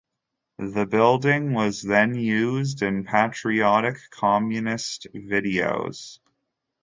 The building was then used in patriotic communist videos.